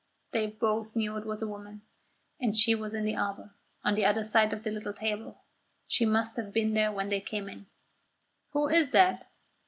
They both knew it was a woman, and that she was in the arbour, on the other side of the little table. She must have been there when they came in. "Who is that?"